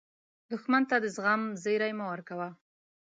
دښمن ته د زغم زیری مه ورکوه